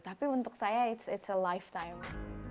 tapi untuk saya it's a lifetime